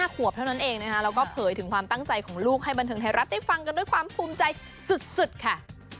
ขวบเท่านั้นเองนะคะแล้วก็เผยถึงความตั้งใจของลูกให้บันเทิงไทยรัฐได้ฟังกันด้วยความภูมิใจสุดค่ะ